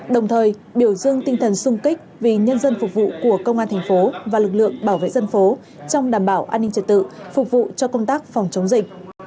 đồng thời biểu dương tinh thần sung kích vì nhân dân phục vụ của công an thành phố và lực lượng bảo vệ dân phố trong đảm bảo an ninh trật tự phục vụ cho công tác phòng chống dịch